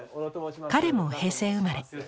彼も平成生まれ。